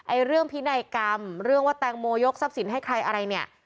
เรื่องพินัยกรรมเรื่องว่าแตงโมยกทรัพย์สินให้ใครอะไรเนี่ย